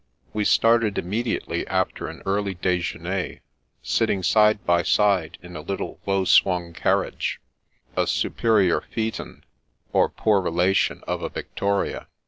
We started immediately after an early dijeuner, sitting side by side in a little low swung carriage, a superior phaeton, or poor relation of a victoria.